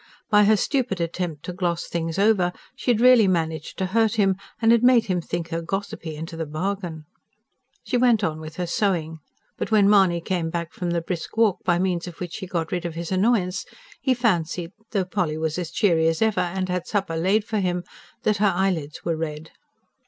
By her stupid attempt to gloss things over, she had really managed to hurt him, and had made him think her gossipy into the bargain. She went on with her sewing. But when Mahony came back from the brisk walk by means of which he got rid of his annoyance, he fancied, though Polly was as cheery as ever and had supper laid for him, that her eyelids were red.